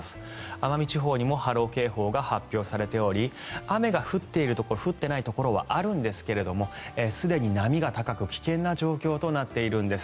奄美地方にも波浪警報が発表されており雨が降っているところ降ってないところはあるんですがすでに波が高く危険な状況となっているんです。